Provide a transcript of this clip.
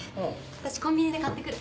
私コンビニで買ってくる。